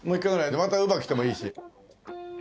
またウバきてもいいし。